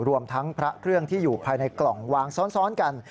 รวมทั้งพระเครื่องที่อยู่ภายในกล่องวางซ้อนกัน